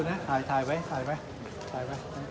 คนแคปไม่หมดแล้ว